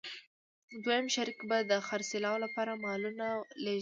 دویم شریک به د خرڅلاو لپاره مالونه لېږدول